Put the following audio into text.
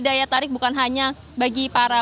daya tarik bukan hanya bagi para